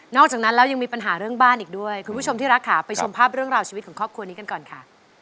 อกจากนั้นแล้วยังมีปัญหาเรื่องบ้านอีกด้วยคุณผู้ชมที่รักค่ะไปชมภาพเรื่องราวชีวิตของครอบครัวนี้กันก่อนค่ะ